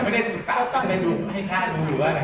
ไม่ได้ตั้งใจดูไม่ให้ท่านูหรืออะไร